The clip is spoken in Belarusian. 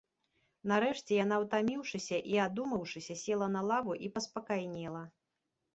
Нарэшце, яна, утаміўшыся і адумаўшыся, села на лаву і паспакайнела.